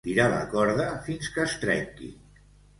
Tirar la corda fins que es trenqui.